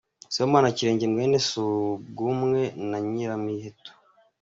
Sibomana Kirege mwene Subwumwe na Nyiramiheto.